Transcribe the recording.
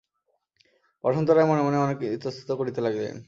বসন্ত রায় মনে মনে অনেক ইতস্তত করিতে লাগিলেন।